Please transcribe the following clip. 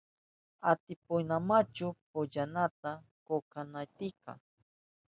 ¿Atipaynimachu pallanata kokonaykita?